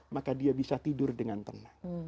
maka dia bisa tidur dengan tenang